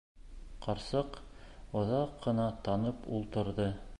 Ҡарсыҡ оҙаҡ ҡына тынып ултырҙы.